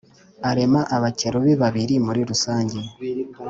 arema abakerubi babiri muri rusange